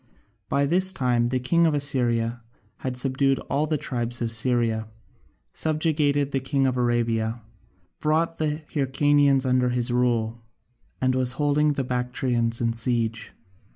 By this time the king of Assyria had subdued all the tribes of Syria, subjugated the king of Arabia, brought the Hyrcanians under his rule, and was holding the Bactrians in siege.